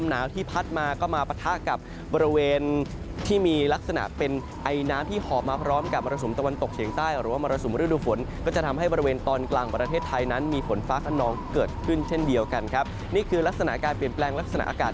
นี่คือลักษณะการเปลี่ยนแปลงลักษณะอากาศ